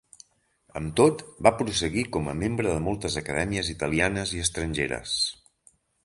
Amb tot, va prosseguir com a membre de moltes acadèmies italianes i estrangeres.